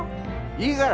いいがら。